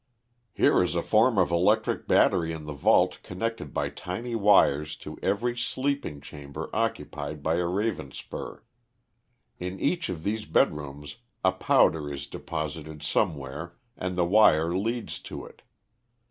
"Here is a form of electric battery in the vault connected by tiny wires to every sleeping chamber occupied by a Ravenspur. In each of these bed rooms a powder is deposited somewhere and the wire leads to it.